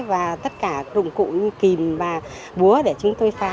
và tất cả dụng cụ như kìm và búa để chúng tôi phá